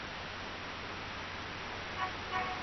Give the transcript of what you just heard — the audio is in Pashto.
د ازموینو پایلي وروستۍ نه دي.